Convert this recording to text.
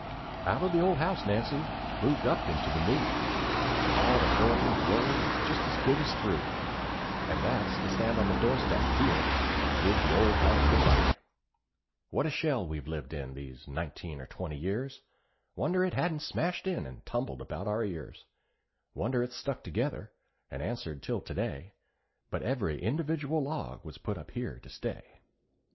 Out of the old house, Nancy moved up into the new; All the hurry and worry is just as good as through. Only a bounden duty remains for you and I And that's to stand on the door step, here, and bid the old house good bye. "AND BID THE OLD HOUSE GOOD BYE." What a shell we've lived in, these nineteen or twenty years! Wonder it hadn't smashed in, and tumbled about our ears; Wonder it's stuck together, and answered till to day; But every individual log was put up here to stay.